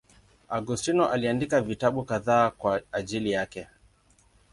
Augustino aliandika vitabu kadhaa kwa ajili yake.